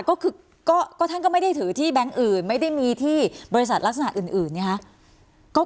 ก็คือก็ท่านก็ไม่ได้ถือที่แบงค์อื่นไม่ได้มีที่บริษัทลักษณะอื่นไงคะ